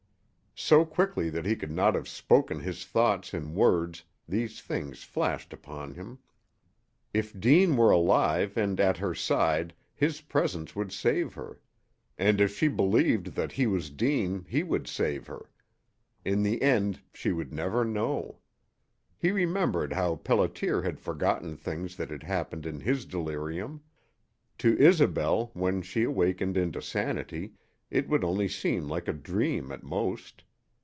So quickly that he could not have spoken his thoughts in words these things flashed upon him. If Deane were alive and at her side his presence would save her. And if she believed that he was Deane he would save her. In the end she would never know. He remembered how Pelliter had forgotten things that had happened in his delirium. To Isobel, when she awakened into sanity, it would only seem like a dream at most.